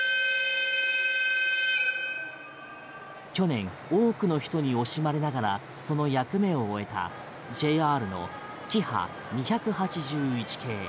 去年多くの人に惜しまれながらその役目を終えたＪＲのキハ２８１系。